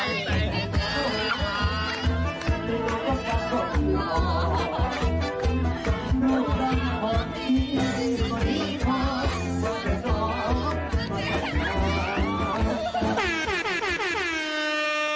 เฟียวขนาดไหนไปดู